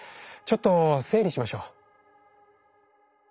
ちょっと整理しましょう。